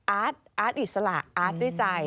อาร์ตอิสระอาร์ตด้วยใจ